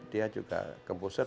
dia juga komposer